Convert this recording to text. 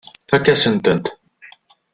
Tfakk-asent-tent.